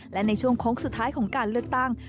และในช่วงโค้งสุดท้ายของการเลือกตั้ง